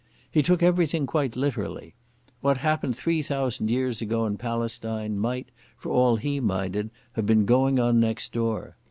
He took everything quite literally. What happened three thousand years ago in Palestine might, for all he minded, have been going on next door.